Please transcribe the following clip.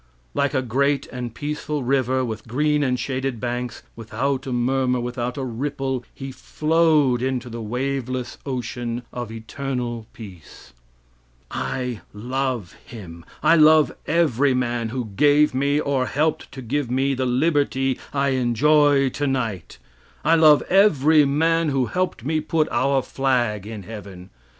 Like a great and peaceful river with green and shaded banks, without a murmur, without a ripple, he flowed into the waveless ocean of eternal peace. I love him; I love every man who gave me, or helped to give me the liberty I enjoy tonight; I love every man who helped me put our flag in heaven.